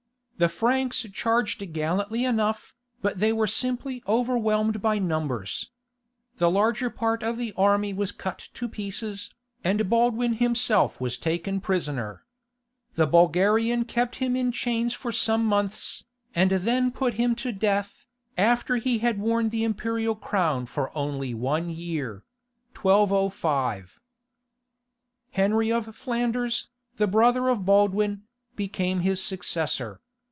The Franks charged gallantly enough, but they were simply overwhelmed by numbers. The larger part of the army was cut to pieces, and Baldwin himself was taken prisoner. The Bulgarian kept him in chains for some months, and then put him to death, after he had worn the imperial crown only one year . Henry of Flanders, the brother of Baldwin, became his successor.